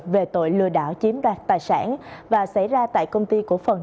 về tội lừa đảo chiếm đoạt tài sản và xảy ra tại công ty cổ phần